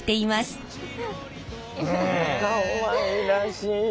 かわいらしい。